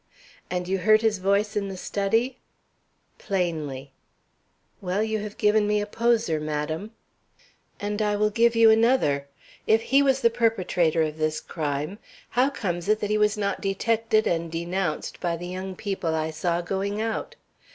"And you heard his voice in the study?" "Plainly." "Well, you have given me a poser, madam." "And I will give you another. If he was the perpetrator of this crime, how comes it that he was not detected and denounced by the young people I saw going out?